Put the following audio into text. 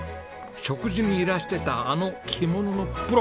食事にいらしてたあの着物のプロ！